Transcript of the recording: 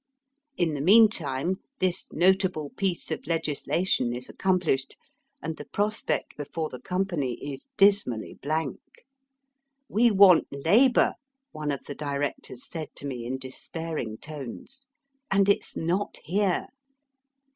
In the meantime this not able piece of legislation is accomplished, and the prospect before the company is dismally blank. *' We want labour," one of the directors said to me in despairing tones, ''and it's not here.''